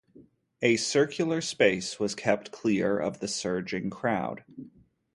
A circular space was kept clear of the surging crowd.